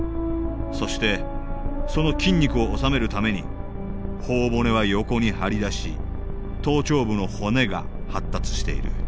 そしてその筋肉を収めるために頬骨は横に張り出し頭頂部の骨が発達している。